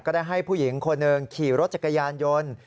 ได้ให้ผู้หญิงคนหนึ่งขี่รถจักรยานยนต์